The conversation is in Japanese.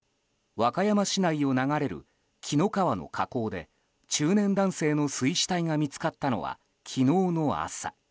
和歌山市内を流れる紀の川の河口で中年男性の水死体が見つかったのは昨日の朝。